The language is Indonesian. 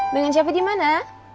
dengan siapa di mana